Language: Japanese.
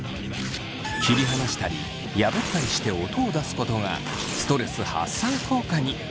切り離したり破ったりして音を出すことがストレス発散効果に。